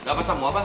dapat semua pak